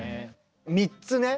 ３つね